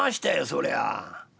そりゃあ。